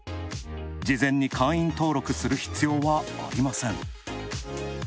事前に会員登録する必要はありません。